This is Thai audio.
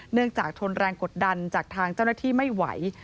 จากทนแรงกดดันจากทางเจ้าหน้าที่ไม่ไหว